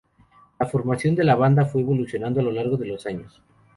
La formación de la banda fue evolucionado a lo largo de los años.